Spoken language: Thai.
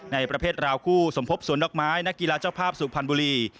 ในประเภทราคู่สมพบศวนรักไม้นกีฬาเจ้าภาพสู่พันบุรี